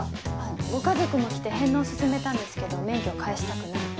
ご家族も来て返納を勧めたんですけど免許返したくないって。